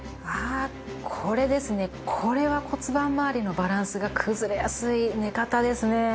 これは骨盤まわりのバランスが崩れやすい寝方ですね。